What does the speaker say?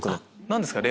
何ですか？